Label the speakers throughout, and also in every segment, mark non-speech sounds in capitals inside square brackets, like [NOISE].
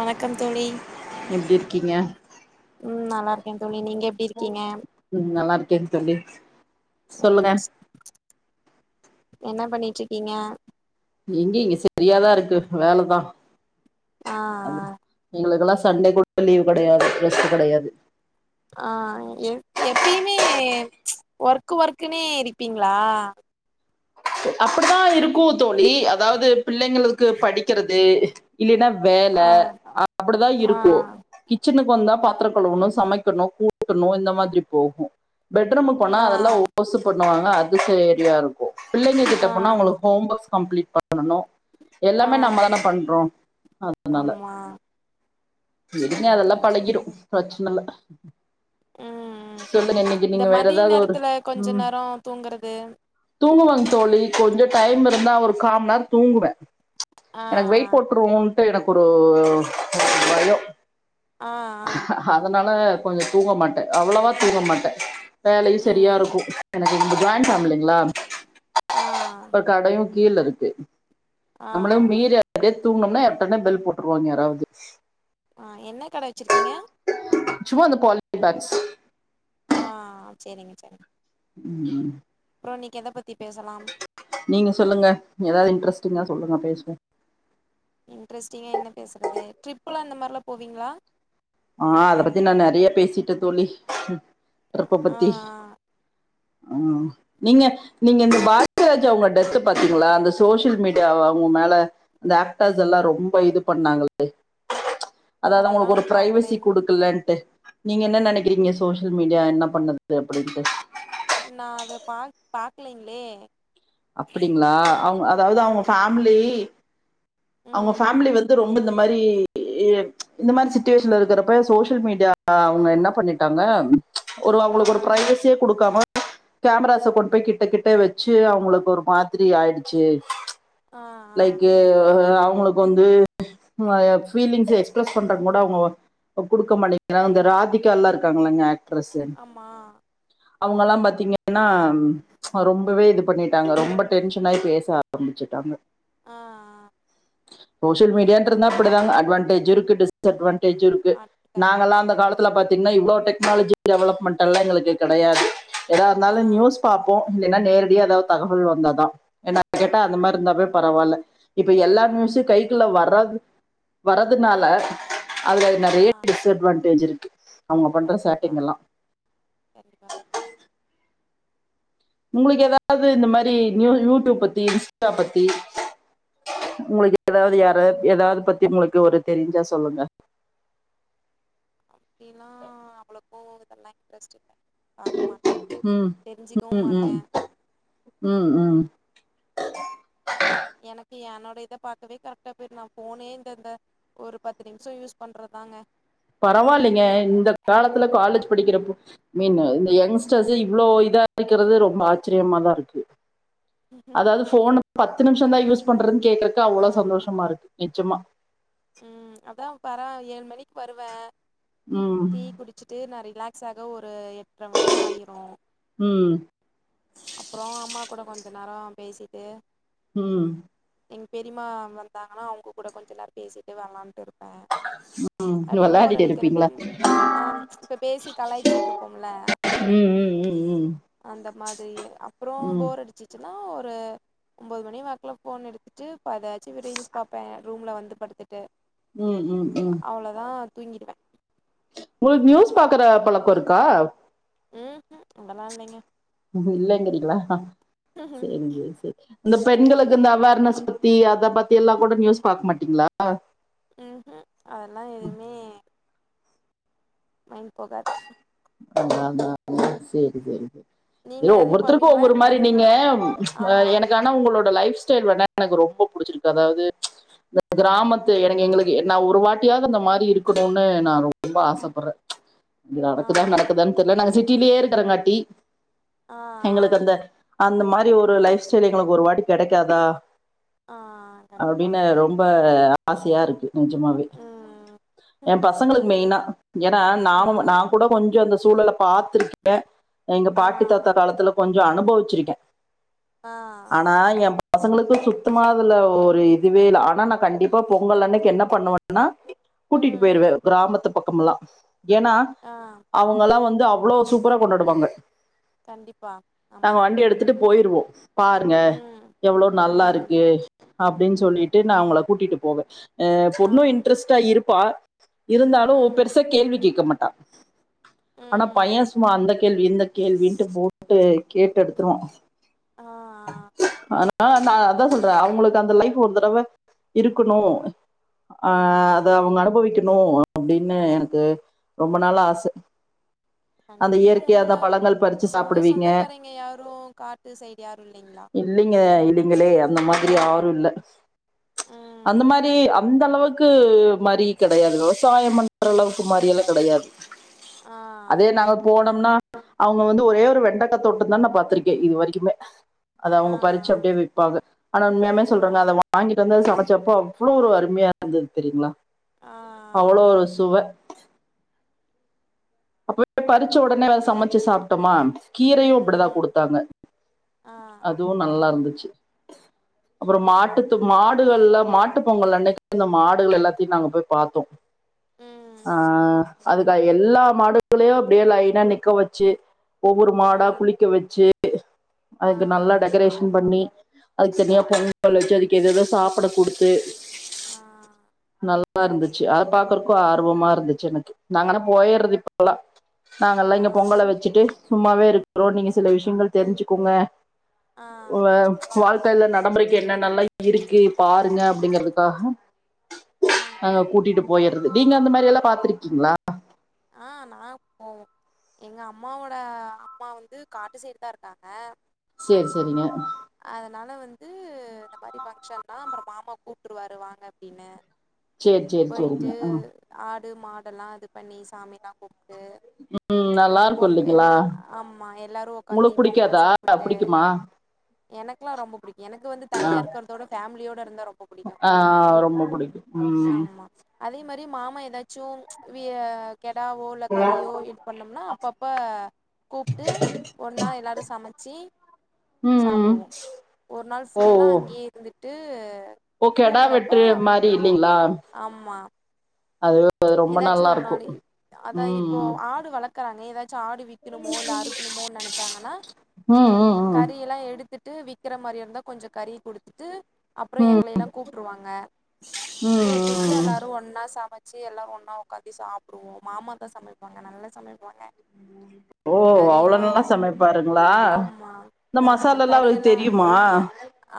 Speaker 1: வணக்கம் தோழி
Speaker 2: எப்டி இருக்கீங்க
Speaker 1: ம் நல்லா இருக்கே தோழி நீங்க எப்டி இருக்கீங்க
Speaker 2: ம் நல்லா இருக்கே தோழி சொல்லுங்க
Speaker 1: ம் என்ன பண்ணிட்ருக்கீங்க
Speaker 2: எங்க இங்க சரியா தா இருக்கு வேல தா
Speaker 1: ஆ ஆ
Speaker 2: எங்குளுக்கெல்லா சண்டே கூட லீவ் கிடையாது ரெஸ்ட் கிடையாது
Speaker 1: ஆ எப்பிம்மே ஒர்க்கு ஒர்க்குன்னே இருப்பீங்களா
Speaker 2: அப்படிதா இருக்கு தோழி அதாவது பிள்ளைங்களுக்கு படிக்கிறது இல்லின்னா வேல
Speaker 1: ஆ
Speaker 2: அப்டி தா
Speaker 1: ஆ
Speaker 2: இருக்கு கிச்சனுக்கு வந்தா பாத்தரோ கழுவணு சமைக்கணு கூட்டணு இந்த மாரிதி போகு பெட்ரூமுக் போனா
Speaker 1: ஆ
Speaker 2: அதெல்லா ஓர்சு பண்ணுவாங்க அது சரியா இருக்கு பிள்ளைங்கிட்ட
Speaker 1: ஆ
Speaker 2: போனா அவுங்குளுக் ஹோம் ஒர்ஸ் கம்ப்ளீட் பண்ணனு
Speaker 1: ஆ
Speaker 2: எல்லாமே நம்மதான பண்றோ அதுனால
Speaker 1: ஆமா
Speaker 2: விடுங்க
Speaker 1: சேரிங்க
Speaker 2: அதெல்லா
Speaker 1: தோழி
Speaker 2: பழகிரு
Speaker 1: சேரிங்க
Speaker 2: பிரச்சன இல்ல
Speaker 1: ம் ம்
Speaker 2: சொல்லுங்க இன்னிக்கி
Speaker 1: இந்த
Speaker 2: நீங்க வேற
Speaker 1: மதிய
Speaker 2: எதாவது ஒரு
Speaker 1: நேரத்துல கொஞ்ச
Speaker 2: ம்
Speaker 1: நேரோ தூங்குறது
Speaker 2: தூங்குவங் தோழி கொஞ்சோ டைம் இருந்தா ஒரு காமநே தூங்குவ
Speaker 1: ஆ
Speaker 2: எனக் வெயிட் போட்ருவோன்ட்டு எனக்கு ஒரு பயோ
Speaker 1: ஆ ஆ ஆ
Speaker 2: அதனால கொஞ்சோ தூங்க மாட்ட அவ்ளோவா தூங்க மாட்ட வேலயு சரியா
Speaker 1: ம்
Speaker 2: இருக்கு எனக்கு இங்க ஜாயின்ட் ஃபேமலிங்களா
Speaker 1: ஆ
Speaker 2: கடையு கீழ இருக்கு
Speaker 1: ஆ
Speaker 2: நம்முளு மீற அப்டியே தூங்குன்னா அப்பதா பெல் போட்ருவாங்க யாராவது
Speaker 1: ஆ என்ன கட வச்சுருக்கீங்க
Speaker 2: சும்மா அந்த பல் பாக்ஸ்
Speaker 1: ஆ சேரிங்க சேரிங்
Speaker 2: ம்
Speaker 1: அப்றோ இன்னிக்கி எத பத்தி பேசலாம்
Speaker 2: நீங்க சொல்லுங்க ஏதாவது இன்ட்ரெஸ்டிங்கா சொல்லுங்க பேசுவோம்
Speaker 1: இன்ட்ரஸ்டிங்கா என்ன பேசுறது ட்ரிப்பெல்லா அந்த மாரிலா போவீங்களா
Speaker 2: ஆ அத பத்தி நா நெறையா பேசிட்டே தோழி ட்ரிப்ப
Speaker 1: ஆ
Speaker 2: பத்தி ஆ நீங்க நீங்க இந்த பாக்யராஜா அவுங்க டெத்து பாத்தீங்களா அந்த சோசியல் மீடியாவ அவுங்க மேல அந்த ஆக்டர்ஸ் எல்லா ரொம்ப இது பண்ணாங்களே
Speaker 1: ஆ
Speaker 2: அதாவது
Speaker 1: அதெல்லா
Speaker 2: அவுங்குளுக்கு
Speaker 1: நா
Speaker 2: ஒரு பிரைவசி
Speaker 1: பாக்கலைங்
Speaker 2: இருக்குல்லன்ட்டு நீங்க என்ன நெனைக்கிறீங்க சோசியல் மீடியா என்ன பண்ணுது அப்டின்ட்டு
Speaker 1: நா அத பா பாக்குலிங்களே
Speaker 2: அப்டிங்களா அவுங்க அதாவது அவுங்க
Speaker 1: ம்
Speaker 2: ஃபேமிலி அவுங்க
Speaker 1: ம்
Speaker 2: ஃபேமிலி வந்து ரொம்ப இந்த மாரி இ இந்த மாரி சிட்டிவேஷன்ல இருக்குறப்ப சோசியல் மீடியா அவுங்க என்ன பண்ணிட்டாங்க ஒரு
Speaker 1: ஆ
Speaker 2: அவுங்களுக்கு ஒரு பிரைவசியே குடுக்காம கேமராச கொண்டு போய் கிட்ட கிட்ட வச்சு அவுங்களுக்கு ஒரு மாதிரி ஆயிடுச்சு
Speaker 1: ஆ ஆ
Speaker 2: லைக் அவுங்களுக்கு வந்து [UNINTELLIGIBLE] பீலிங்ஸ் எக்ஸ்பிரஸ் பண்றவங்க கூட அவுங்க குடுக்க மாட்டீங்குறாங்க இந்த ராதிகாலா இருக்காங்களங்க ஆக்ட்ரஸ்ஸு
Speaker 1: ஆமா
Speaker 2: அவுங்கெல்லா பாத்தீங்கன்னா ரொம்பவே இது பண்ணிட்டாங்க ரொம்ப டென்ஷனாயி பேச ஆரம்பிச்சிட்டாங்க
Speaker 1: ஆ
Speaker 2: சோசியல் மீடியன்ருந்த இப்டிதா அட்வான்டேஜ் இருக்கு டிஸ் அட்வான்டேஜ் இருக்கு
Speaker 1: ஆ ஆ
Speaker 2: நாங்கால
Speaker 1: கண்டிப்பா
Speaker 2: அந்த காலத் [UNINTELLIGIBLE] பாத்தீங்கனா இவ்ளோ டெக்னாலஜி டெவலப்மெண்ட்டெல்லா எங்களுக்கு கெடயாது
Speaker 1: ஆ
Speaker 2: ஏதார்ந்தாலு நியூஸ் பாப்போ இல்லன்னா நேரடியா எதாவது தகவல் வந்தாதா என்ன
Speaker 1: ஆ
Speaker 2: கேட்டா அந்த மாரி இருந்தாவே பரவால்ல இப்ப எல்லா
Speaker 1: ஆ
Speaker 2: நியூஸூ கைக்குள்ள வரது வரதுனால அதுல
Speaker 1: ஆ
Speaker 2: நெறைய டிஸ்அட்வான்டேஜ் இருக்கு அவங்க பண்ற
Speaker 1: கண்டிப்பா
Speaker 2: சேட்டிங் எல்லாம்
Speaker 1: கண்டிப்பா கண்டிப்பா
Speaker 2: உங்களுக்கு ஏதாவது இந்த மாரி நியூ யூடுப் பத்தி இன்ஸ்டா பத்தி உங்களுக்கு ஏதாவது
Speaker 1: இனி
Speaker 2: யாரவது
Speaker 1: அவ
Speaker 2: எதாது பத்தி உங்களுக்கு ஒரு தெரிஞ்சா சொல்லுங்க
Speaker 1: அப்டிலா அவ்ளோப்போ இதெல்லா இன்ட்ரெஸ்ட் இல்ல பாக்க மாட்டே
Speaker 2: ம்
Speaker 1: தெரிஞ்சிக்கவு
Speaker 2: ம் ம்
Speaker 1: மாட்டே
Speaker 2: ம் ம்
Speaker 1: எனக்கு என்னோட இத பாக்கவே கரெக்டா போயினு ஃபோனே இந்தந்த ஒரு பத்து நிம்ஷோ யூஸ் பண்றதாங்க
Speaker 2: பரவாயில்லங்க இந்த காலத்துல காலேஜ் படிக்கிறப்போ மீன் இந்த யங்ஸ்டர்ஸ் இவ்ளோ இதா இருக்கிறது ரொம்ப ஆச்சரியமாதா இருக்கு அதாவது ஃபோன பத்து நிம்ஷ தா யூஸ் பண்றதுன் கேக்கறக்கு அவ்ளோ
Speaker 1: ஆமா
Speaker 2: சந்தோஷமா இருக்கு நெஜமா
Speaker 1: ம் அதா [UNINTELLIGIBLE] ஏழு மணிக்கு வருவே டீ
Speaker 2: ம்
Speaker 1: குடிச்சிட்டு நா ரிலாக்ஸ் ஆக ஒரு எட்டர மணி ஆயிரு
Speaker 2: ம்
Speaker 1: அப்றோ அம்மா கூட கொஞ்சோ நேரோ பேசிட்டு
Speaker 2: ம்
Speaker 1: எங் பெரிம்மா வந்தாங்கனா அவுங்க கூட கொஞ்ச நேர பேசிட்டு வெள்ளான்ட்டு இருப் ஆ
Speaker 2: ம்.
Speaker 1: அப்டே போர்
Speaker 2: வெளாடிட்டு
Speaker 1: அடிக்கிற
Speaker 2: இருப்பீங்களா?
Speaker 1: டைம் ஆ இப்ப பேசி கலாய்ச்சிட்டு இருப்போம்ல
Speaker 2: ம் ம் ம்
Speaker 1: அந்த மாதிரி அப்றோ
Speaker 2: ம்.
Speaker 1: போர் அடிச்சிச்சினா ஒரு ஒம்போது மணி வாக்குல ஃபோன எடுத்துட்டு இப்ப எதாச்சு ரீல்ஸ் பாப்பே ரூம்ல வந்து படுத்துட்டு
Speaker 2: ம் ம் ம்
Speaker 1: அவ்ளதா தூங்கிடுவ
Speaker 2: உங்ளுக்கு நியூஸ் பாக்ற பழக்கோ இருக்கா
Speaker 1: ம் ஹும் அதலா இல்லை ங்க
Speaker 2: இல்லங்கிறீங்ளா
Speaker 1: ம்ஹூம்
Speaker 2: செரிங்க சேரி இந்த பெண்களுக்கு இந்த அவர்னஸ் பத்தி அத பத்தி எல்லா கூட நியூஸ் பாக்க மாட்டீங்ளா
Speaker 1: ம் ஹீ அதலா எதுமே மைன்ட் போகாது
Speaker 2: [INAUDIBLE] சேரி சேரி சேரி
Speaker 1: நீங்க
Speaker 2: யோ
Speaker 1: நெறைய
Speaker 2: ஒருத்தருக்கு
Speaker 1: பாப்பீங்களா
Speaker 2: ஒவ்வொரு
Speaker 1: என்ன
Speaker 2: மாரி நீங்க
Speaker 1: ஆமா
Speaker 2: எனக்கா ஆனா உங்களோட லைஃப் ஸ்டைல் வேணா எனக்கு ரொம்ப புடிச்சிருக்கு அதாது இந்த கிராமத்து எனக்கு எங்களுக்கு நா ஒரு வாட்டியாது அந்த மாரி இருக்கணுனு நா ரொம்ப ஆசப்பற்ரே
Speaker 1: ஆ
Speaker 2: எப்பதா நடக்குதுன் தெர்ல நாங்க சிட்டிலே இருக்றங்காட்டி
Speaker 1: ஆ
Speaker 2: எங்குளுக்கு அந்த அந்த மாரி ஒரு லைஃப் ஸ்டைல் எங்குளுக்கு ஒரு வாட்டி கெடைக்காதா
Speaker 1: ஆ ஆ கண்டிப்பா
Speaker 2: அப்டினு ரொம்ப அ ஆசையா இருக்கு நெஜமாவே
Speaker 1: ம்
Speaker 2: ஏ பசங்களுக்கு மெயினா ஏனா
Speaker 1: ஆ
Speaker 2: நாம நா கூட கொஞ்சோ அந்த சூழல பாத்திருக்கே எங்க
Speaker 1: ஆ
Speaker 2: பாட்டி தாத்தா காலத்துல கொஞ்சோ அனுபவிச்சிருக்கே
Speaker 1: ஆ
Speaker 2: ஆனா எம் பசங்களுக்கு சுத்தமா அதுல ஒரு இதுவே இல்ல ஆனா நா கண்டிப்பா பொங்கல் அன்னைக்கு என்ன பண்ணுவே னா கூட்டிட்
Speaker 1: ம்
Speaker 2: போயிருவே கிராமத்து பக்கம்லா ஏனா
Speaker 1: ஆ
Speaker 2: அவுங்கலா வந்து அவ்ளோ சூப்பரா கொண்டாடுவாங்க
Speaker 1: கண்டிப்பா
Speaker 2: நாங்க
Speaker 1: ஆமா
Speaker 2: வண்டி எடுத்துட்டு போயிருவோ பாருங்க
Speaker 1: ம்
Speaker 2: எவ்ளோ
Speaker 1: ம்
Speaker 2: நல்லாருக்கு அப்டின் சொல்லிட்டு நா அவங்கள கூட்டிட்டு போவே அ
Speaker 1: ஆ
Speaker 2: பொண்ணு இன்ட்ரெஸ்ட்டா இருப்பா இருந்தாலு
Speaker 1: ம்
Speaker 2: பெர்சா கேள்வி கேக்க மாட்டா ஆனா பையே
Speaker 1: ம்
Speaker 2: சும்மா அந்த கேள்வி இந்த கேள்வின்ட்டு போட்டு கேட்டு எடுத்துருவா
Speaker 1: ஆ
Speaker 2: ஆனா ஆ நா அதா சொல்றே அவுங்குளுக்கு அந்த லைஃப் ஒரு தரவ இருக்குணு ஆ அத அவங்க அனுபவிக்கணு அப்டின்னு எனக்கு ரொம்ப நாளா ஆச அந்த
Speaker 1: கண்டிப் ஏன்
Speaker 2: இயற்கையா அந்த
Speaker 1: உங்கள
Speaker 2: பழங்கள் பறிச்சு
Speaker 1: உங்க
Speaker 2: சாப்பிடுவீங்க
Speaker 1: சொந்தக்காரய்ங்க யாரு காட்டு சைடு யாரு இல்லேங்ளா
Speaker 2: இல்லிங்க இல்லீங்களே அந்த மாரி யாரு இல்ல
Speaker 1: ஆ
Speaker 2: அந்த மாரி அந்த அளவுக்கு மாரி கெடையாது விவசாயம் பண்ற அளவுக்கு மாரியெல்லா கெடையாது
Speaker 1: ஆ
Speaker 2: அதே நாங்க போனம்னா அவுங்க வந்து ஒரே ஒரு வெண்டைக்கா தோட்டந்தா நா பாத்துருக்கே இது வரைக்குமே அத
Speaker 1: ஆ
Speaker 2: அவுங்க பறிச்சு அப்டே விப்பாக ஆனா உண்மையாமே
Speaker 1: ஆ
Speaker 2: சொல்றங்க அத வாங் வாங்கிட்டு வந்து அத சமச்சப்போ அவ்ளோ ஒரு அருமையா இருந்துது தெரியுங்ளா
Speaker 1: ஆ
Speaker 2: அவ்ளோ ஒரு சுவ அப்பவே பறிச்ச ஒடனே அத சமச்சு சாப்ட்டோமா கீரையு அப்பிடிதா
Speaker 1: ம்
Speaker 2: குடுத்தாங்க
Speaker 1: ஆ
Speaker 2: அதுவு நல்லா இருந்துச்சு அப்புறோ
Speaker 1: ஆமா
Speaker 2: மாட்டுத்து மாடுகள்ல மாட்டு பொங்கல் அன்னைக்கி இந்த மாடுகள் எல்லாத்தயும் நாங்க போய் பாத்தோ
Speaker 1: ம்
Speaker 2: ஆ அதுக்க எல்லா மாடுகளையு அப்பிடியே லைனா நிக்க வச்சு ஒவ்வொரு
Speaker 1: ஆ
Speaker 2: மாடா குளிக்க வச்சு
Speaker 1: ஆ
Speaker 2: அதுக்கு நல்லா டெக்கரேஷன் பண்ணி அதுக்குத் தனியா பொங்கல் வச்சு அதுக்கு ஏதேதோ சாப்பட குடுத்து
Speaker 1: ஆ
Speaker 2: நல்லா இருந்துச்சு அதப் பாக்குறக்கு ஆர்வமா இருந்துச்சு எனக்கு நாங்கன்னா போயிர்றது இப்பல்லா
Speaker 1: ஆ
Speaker 2: நாங்கல்லா இங்க பொங்கல வச்சுட்டு சும்மாவே இருக்கறோ நீங்க சில விஷயங்கள் தெரிஞ்சுக்கோங்க
Speaker 1: ஆ
Speaker 2: உவ வாழ்க்கையில நடமுறைக்கு என்னன்ன எல்லா இருக்கு பாருங்க அப்பிடிங்கிறதுக்காக
Speaker 1: ம்
Speaker 2: அங்க கூட்டிட்டு போயிர்றது நீங்க அந்த மாறி எல்லா பாத்துருக்கீங்களா
Speaker 1: ஆ நாங்க போவோ எங்க அம்மாவோட அம்மா வந்து காட்டு சைடு தா இருக்காங்க
Speaker 2: சேர் சேரிங்க
Speaker 1: அதனால வந்து இந்த மாறி ஃபங்க்ஷன்னா அப்புறோ மாமா கூப்ட்ருவாரு வாங்க அப்பிடின்னு
Speaker 2: சேரி சேரி
Speaker 1: போயி்ட்டு
Speaker 2: சேரிங்க ஆ
Speaker 1: ஆடு மாடெல்லா இது பண்ணி சாமியெல்லா கும்ட்டு
Speaker 2: உம் நல்லா இருக்கு
Speaker 1: பொங்
Speaker 2: இல்லைங்களா
Speaker 1: எல்லா ஆமா எல்லாரும் உக்காந்தி
Speaker 2: உங்களுக்கு
Speaker 1: பொங்கல்
Speaker 2: புடிக்காதா
Speaker 1: சாப்பிட்டு
Speaker 2: புடிக்குமா
Speaker 1: எனக்குல்லா ரொம்ப புடிக்கும் எனக்கு வந்து
Speaker 2: ஆ
Speaker 1: தனியா இருக்கிறத விட ஃபேமிலியோட இருந்தா ரொம்ப புடிக்கு
Speaker 2: ஆ ரொம்ப புடிக்கும் உம்
Speaker 1: ஆமா அதே மாறி மாமா ஏதாச்சும் கெடாவோ இல்ல கறியோ இது பண்ணம்னா அப்ப கூப்ட்டு ஒன்னா எல்லாரும் சமச்சி
Speaker 2: ம்
Speaker 1: சாப்புடுவோ ஒரு நாள்
Speaker 2: ஓ
Speaker 1: ஃபுல்லா அங்கேயே இருந்துட்டு
Speaker 2: ஓ கெடா
Speaker 1: தூங்கறப்ப
Speaker 2: வெட்று மாறி
Speaker 1: மட்டு
Speaker 2: இல்லீங்ளா அது ரொம்ப
Speaker 1: ஏதாச்சும்
Speaker 2: நல்லா
Speaker 1: ஒரு
Speaker 2: இருக்கு
Speaker 1: நாளு அத்தா இப்போ
Speaker 2: ம்
Speaker 1: ஆடு வளத் க்கறாங்க ஏதாச்சும் ஆடு விக்கணுமோ இல்ல அறுக்கணுமோ நெனச்சாங்கன்னா
Speaker 2: ம் ம் ம்
Speaker 1: கறி எல்லா எடுத்துட் டு விக்கிற மாறியா இருந்தா கொஞ்சோ கறியக் குடுத்துட்டு அப்புறோ
Speaker 2: ம்
Speaker 1: எங்களை எல்லா கூப்ட்ருவாங்க
Speaker 2: ம்
Speaker 1: கூப்பிட்டு
Speaker 2: ம்
Speaker 1: எல்லாரும் ஒன்னா சமச்சு எல்லா ஒன்னா உக்காந்தி சாப்புடுவோ மாமா தா சமைப்பாங்க நல்லா சமைப்பாங்க
Speaker 2: ஓ அவ்ளோ
Speaker 1: கறியெல்லா
Speaker 2: நல்லா சமைப்பாருங்களா
Speaker 1: ஆமா
Speaker 2: இந்த
Speaker 1: ஆமா
Speaker 2: மசாலல்லா
Speaker 1: கறி
Speaker 2: அவருக்கு
Speaker 1: எல்லா
Speaker 2: தெரியுமா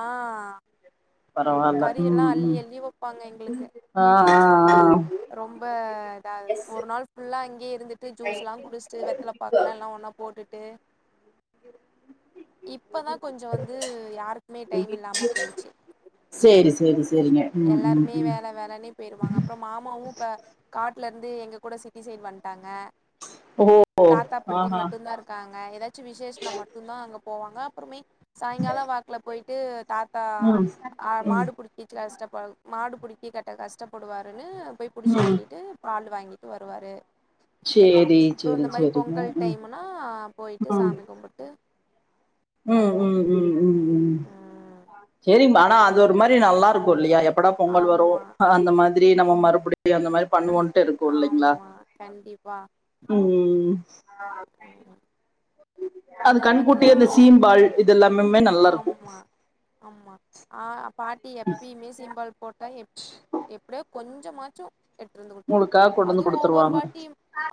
Speaker 1: ஆ
Speaker 2: பரவால்ல
Speaker 1: கறியெல்லா
Speaker 2: ம்
Speaker 1: அள்ளி
Speaker 2: ம்
Speaker 1: அள்ளி வப்பாங்க எங்களுக்கு
Speaker 2: ஆ ஆ ஆ
Speaker 1: ரொம்ப இதாகுது ஒரு நாள் ஃபுல்லா அங்கயே இருந்துட்டு ஜூஸ் எல்லா குடிச்சுட்டு வெத்தல பாக்கெல்லா எல்லா ஒன்னா போட்டுட்டு இப்ப தா கொஞ்சோ வந் து யாருக்குமே டைம் இல்லாம போயிருச்சு
Speaker 2: சேரி சேரி சேரிங்க ம் ம்
Speaker 1: எல்லாருமே
Speaker 2: ம்
Speaker 1: வேல வேலன்னே போயிருவாங்க அப்புறோ மாமாவு இப்ப காட்டுல இருந்து எங்க கூட சிட்டி சைடு் வன்ட்டாங்க
Speaker 2: ஓ
Speaker 1: தாத்தா பாட்டி
Speaker 2: ஆஹா
Speaker 1: மட்டுந்தா இருக்காங்க ஏதா ச்சு விசேஷன்னா மட்டுந்தா அங்க போவாங்க அப்புறமே சாயங்கால வாக்குல போயி ட்டு தாத்தா
Speaker 2: ம்
Speaker 1: ஆ
Speaker 2: ம்
Speaker 1: மாடு புடிக்கிச்சு கஷ்டப்பா மாடு பிடிக்கி கட்ட கஷ்டப்படுவாரு ன்னு போயி புடிச்சு
Speaker 2: ம்
Speaker 1: கட்டிட்டு பால் வாங்கிட்டு வருவாரு
Speaker 2: சேரி
Speaker 1: அப்போ
Speaker 2: சேரி
Speaker 1: இந்த மாறி
Speaker 2: சேரிங்க
Speaker 1: பொங்கல்
Speaker 2: ம் ம்
Speaker 1: டைமுன்னா போய்ட்டு சாமி கும்புட்டு
Speaker 2: ம்
Speaker 1: வருவோ
Speaker 2: ம் ம் ம் ம்
Speaker 1: ம்
Speaker 2: சேரி மனோ அது ஒரு மாறி நல்லா இருக்கும் இல்லையா எப் படா பொங்கல் வரும்
Speaker 1: ஆமா
Speaker 2: அந்த மாதிரி நம்ம மறுபடி அந்த மாறி பண்ணுவோன் ட்டு இருக்கும் இல்லைங்ளா
Speaker 1: ஆமா கண்டிப்பா
Speaker 2: ம் ஆ
Speaker 1: ம்
Speaker 2: அது
Speaker 1: இந்த
Speaker 2: கன்னுகுட்டி
Speaker 1: மாரிலா
Speaker 2: அந்த சீம்பால் இது எல்லாமும்மே
Speaker 1: ஆமா ஆமா ஆ பாட்டி எப்பயுமே சீம்பால் போட்டா எப் எப்டியோ கொஞ்சோமாச்சு எடுத்துட் வந்து குடுத்துருவாங்க
Speaker 2: உங்களுக்கா கொண்டு வந்து
Speaker 1: அதுவு ஒவ்வொரு
Speaker 2: குடுத்துருவாங்க
Speaker 1: வாட்டியு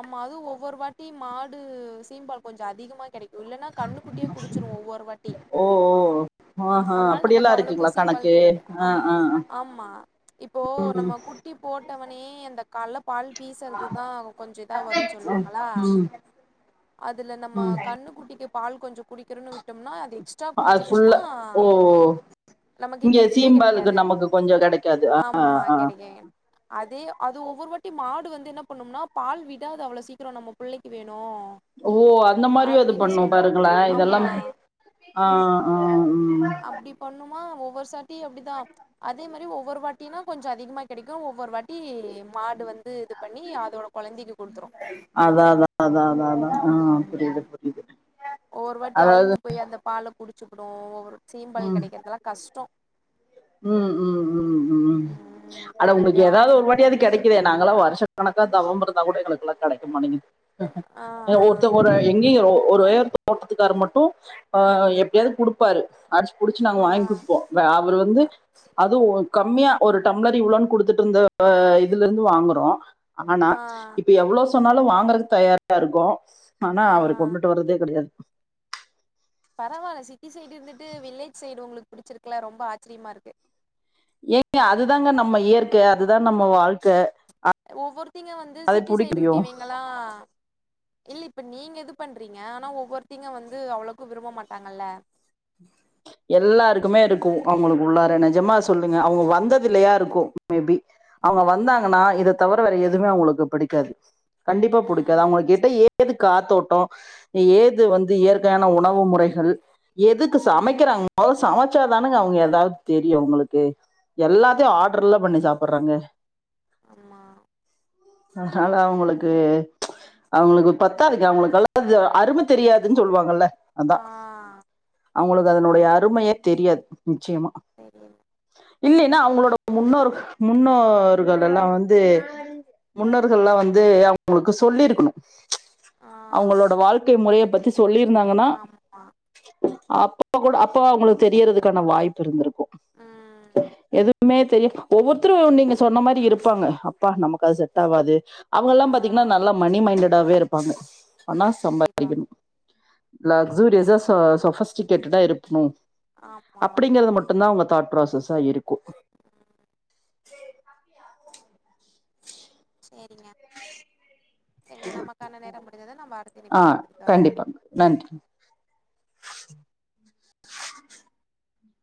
Speaker 1: ஆமா அது ஒவ்வொரு வாட்டி மாடு சீம்பால் கொஞ்சோ அதிகமா கெடைக் இல்லனா கன்னுகுட்டியே குடிச்சிரு ஒவ்வொரு வாட்டியு
Speaker 2: ஓ ஓ ஓ ஆஹா
Speaker 1: அதனால நமக்கு
Speaker 2: அப்படியெல்லா
Speaker 1: அவ்ளோக்கு
Speaker 2: இருக்குங்களா
Speaker 1: சீம்பால்
Speaker 2: கணக்கு
Speaker 1: கெடைக்கு
Speaker 2: ஆ
Speaker 1: அம்
Speaker 2: ஆ ஆ.
Speaker 1: ஆமா இப்போ
Speaker 2: ம்
Speaker 1: நம்ம கு ட்டி போட்டவனே அந்த கல்லப் பால் பீசுறது தா கொஞ்சோ இதா வருன் சொல்லுவாங்களா
Speaker 2: ம்
Speaker 1: அதுல நம்ம
Speaker 2: ம்
Speaker 1: கன்னுகுட்டிக்கு பால் கொஞ்சோ குடிக்கர்ன்னு விட்டோம்னா அது உச்சா
Speaker 2: அது
Speaker 1: குடிச்சிருச்சுன்னா
Speaker 2: ஃபுல்லா ஓ
Speaker 1: நமக்கு
Speaker 2: இங்க
Speaker 1: கெடைக்கவே
Speaker 2: சீம்பாலுக்கு
Speaker 1: கெடைக்காது
Speaker 2: நமக்கு கொஞ்சோ கெடைக்காது ஆ
Speaker 1: ஆமா
Speaker 2: ஆ
Speaker 1: கெடைக்கு அதே அது ஒவ்வொரு வாட்டி மாடு வந்து என்ன பண்ணும்னா பால் விடாது அவ்ளோ சீக்கிர நம்ம புள்ளைக்கு வேணு
Speaker 2: ஓ அந்த மாரியு அது
Speaker 1: அப்டின்னு
Speaker 2: பண்ணு
Speaker 1: சொல்ல
Speaker 2: பாருங்களா இதெல்லா
Speaker 1: ஆமா
Speaker 2: ஆ ஆ ம்
Speaker 1: அப்டி பண்ணுமா ஒவ்வொரு சாட்டியு அப்டிதா அதே மாரி ஒவ்வொரு வாட்டினா கொஞ்சோ அதிகமா கெடைக்கு ஒவ்வொரு வாட்டி மாடு வந்து இது பண்ணி அதோட கொழந்தைக்கு குடுத்துரு
Speaker 2: அதா அதா அதா அதா அதா ஆ புரிது
Speaker 1: ம்
Speaker 2: புரிது
Speaker 1: ஒவ்வொரு வாட்டி அவுந்து
Speaker 2: அதாவ்து
Speaker 1: போய் அந்த பால குடிச்சிப்புடு ஒவ்வொரு சீம்பால்
Speaker 2: ம்
Speaker 1: கெடைக்கறதெல்லா கஷ்டோ
Speaker 2: ம் ம் ம் ம் அட உங்களுக்கு ஏதாவ்து ஒரு வாட்டியாது கெடைக்கு நாங்கள்லா வருஷ கணக்கா தவம் இருந்தா கூட எங்களுக்குல்லா கெடைக்க
Speaker 1: ஆ
Speaker 2: மாட்டீங்கிது ஒரு எங்கேயு ஒரு உயரத்து தோட்டத்துக்காரு மட்டு அ எப்டியாது குடுப்பாரு அடிச்சு புடிச்சு நாங்க
Speaker 1: ஆ
Speaker 2: வாங்கி குடுப்போ அவரு வந்து அதுவு கம்மியா ஒரு டம்ளரு இவ்ளோன் குடுத்துட்ருந்த இதுல இருந்து வாங்குறோ ஆனா நா
Speaker 1: ஆ ஆ
Speaker 2: இப்ப எவ்ளோ சொன்னாலு வாங்கறதுக்கு தயாரா இருக்கோ ஆனா அவரு
Speaker 1: ஆ
Speaker 2: கொண்டுட்டு வர்றதே கெடையாது
Speaker 1: பரவால்ல சிட்டி சைடு இருந்துட்டு வில்லேஜ் சைடு உங்களுக்கு புடிச்சிருக்கல ரொம்ப ஆச்சிரியமா இருக்கு
Speaker 2: ஏங்க அதுதாங்க நம்ம இயற்க அதுதா நம்ம வாழ்க்க
Speaker 1: ஒவ்வொருத்திங்க வந்து சிட்டி சைடு இருக்குவீங்களா இல்ல இப்போ நீங்க இது பண்றீங்க ஆனா ஒவ்வொருத்திங்க வந்து அவ்ளோக்கு விரும்ப மாட்டாங்கல்ல
Speaker 2: எல்லாருக்குமே இருக்கு அவங்ளுக்கு உள்ளார நெஜமா சொல்லுங்க அவங்க வந்தது இல்லயா இருக்கு மேபி அவங்க வந்தாங்கனா இத தவர வேற எதுமே அவங்ளுக்கு பிடிக்காது கண்டிப்பா புடிக்காது
Speaker 1: ம்
Speaker 2: அவங்க கிட்ட ஏ ஏது காத்தோட்டம் ஏது வந்து இயற்கையான உணவு முறைகள் எதுக்கு சமைக்க
Speaker 1: ம்
Speaker 2: கிறாங்க அவ சம ச்சாதானுங்க அவங்க ஏதாவ் தெரியு அவுங்களுக்கு எல்லாத்தியு ஆடர்ல்ல பண்ணி சாப்புட்றாங்க
Speaker 1: அம்மா
Speaker 2: அதனால அவங்களுக்கு அவங்களுக்கு பத்தாதுங்க அவங்களுக்குள்ளா அது அருமை தெரியாதுன் சொல்லுவாங்கல்ல
Speaker 1: ஆ
Speaker 2: அதான் அவங்களுக்கு
Speaker 1: அதா
Speaker 2: அதனுடைய அருமையே தெரியாது நிச்சயமா
Speaker 1: [UNINTELLIGIBLE]
Speaker 2: இல்லைன்னா அவங்களோட முன்னோர் முன்னோர்கள் எல்லா வந்து முன்னோர்கள்லா வந்து அவங்களுக்கு சொல்லிருக்கணு
Speaker 1: ஆ
Speaker 2: அவங்களோட வாழ்க்கை முறைய பத்தி சொல்லிருந்தாங்கனா
Speaker 1: ஆமா
Speaker 2: அப்ப அப்ப கூட அப்ப அவங்களுக்கு தெரியருதுக்கான வாய்ப்பு இருந்திருக்கு
Speaker 1: ம்
Speaker 2: எது மே தெரியு ஒவ்வொருத்தரு நீங்க சொன்ன மாரி இருப்பாங்க அப்பா நமக்கு அது செட் ஆவாது அவங்கல்லா
Speaker 1: ஆ
Speaker 2: பாத்தீங்கன்னா நல்லா மணி மைன்டடாவே இருப்பாங்க நா
Speaker 1: கண்டிப்பா
Speaker 2: சம்பாரிக்கனு லக்ஸுரியஸா
Speaker 1: ஆமா
Speaker 2: சொ சொஃபஸ்டிகேட்டடா இருக்னு
Speaker 1: ஆமா
Speaker 2: அப்டிங்கறது மட்டுந்தா அவுங்க தாட் ப்ராசஸ்ஸா இருக்கு
Speaker 1: சேரிங்க சேர்ங்க நமக்கான நேரம் முடிந்தது நம்ம
Speaker 2: ஆ
Speaker 1: அடுத்த [INAUDIBLE]
Speaker 2: கண்டிப்பாங்க நன்றி